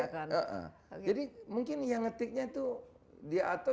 jadi mungkin yang ngetiknya itu